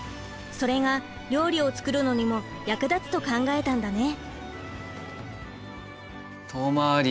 それが料理を作るのにも役立つと考えたんだね。